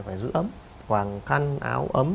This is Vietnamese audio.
phải giữ ấm hoàng khăn áo ấm